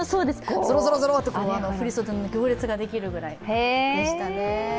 ぞろぞろと振り袖の行列ができるぐらいでしたね。